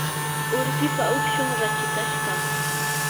urpipa ukshun rachikashqam.